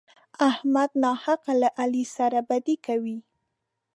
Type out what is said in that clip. احمد ناحقه له علي سره بدي کوي.